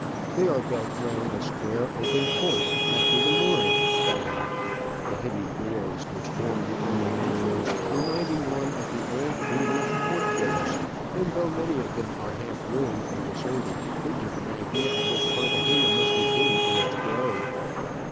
They are built round a square, open court, after the Moorish style, the heavy doors, which form the only entrance, reminding one of the old English portcullis ; and though many of them are half ruined and deserted, they give an idea of what Carthagena must have been in its glory.